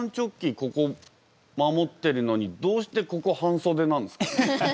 ここ守ってるのにどうしてここ半袖なんですか？